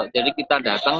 jadi kita datang